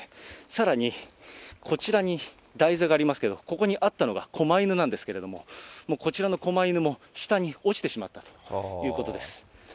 さらにこちらに台座がありますけれども、ここにあったのが、こま犬なんですけれども、こちらのこま犬も下に落ちてしまったということです。